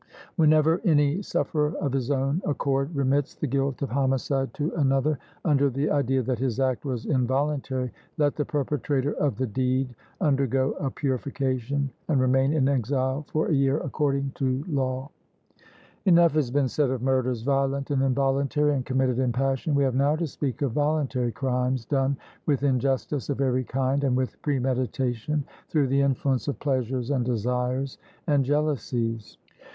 Whenever any sufferer of his own accord remits the guilt of homicide to another, under the idea that his act was involuntary, let the perpetrator of the deed undergo a purification and remain in exile for a year, according to law. Enough has been said of murders violent and involuntary and committed in passion: we have now to speak of voluntary crimes done with injustice of every kind and with premeditation, through the influence of pleasures, and desires, and jealousies.